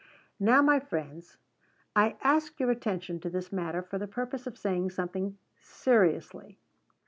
Now, my friends, I ask your attention to this matter for the purpose of saying something seriously.